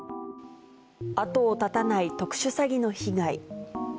後を絶たない特殊詐欺の被害。